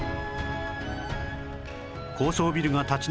高層ビルが立ち並ぶ